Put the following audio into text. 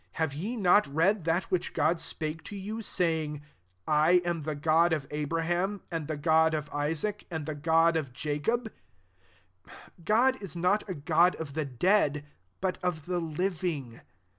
Have y» not read that which Grod spake to you, saying, ' I am the God of Abraham^ and the God of Isaac, and the God of Jacob I* God is not a God of the deadi but of the living."